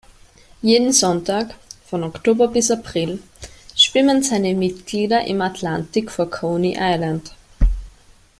Jeden Sonntag von Oktober bis April schwimmen seine Mitglieder im Atlantik vor Coney Island.